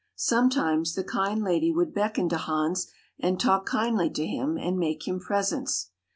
Sometimes the kind lady would beckon to Hans and talk kindly to him and make him presents.